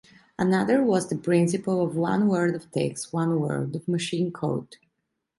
Another was the principle of "one word of text one word of machine code".